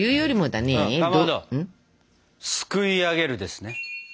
すくいあげるですね。